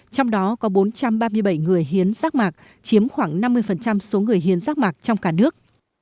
trong đó có bốn trăm ba mươi bảy người hiến rác mạc